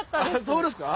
そうですか？